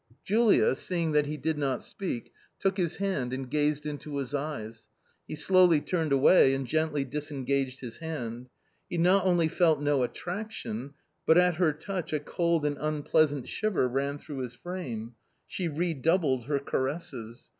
Julia, seeing that he did not speak, took his hand and gazed into his eyes. He slowly turned away and gently disengaged his hand. He not only felt no attraction, but at her touch a cold and unpleasant shiver ran through his frame. She redoubled her caresses.